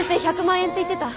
１００万円って言ってた。